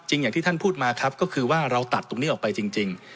อย่างที่ท่านพูดมาครับก็คือว่าเราตัดตรงนี้ออกไปจริง